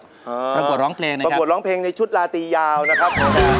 ประกวดร้องเพลงนะประกวดร้องเพลงในชุดลาตียาวนะครับ